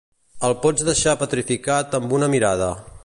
El pots deixar petrificat amb una mirada.